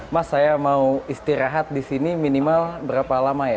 mas saya mau istirahat disini minimal berapa lama ya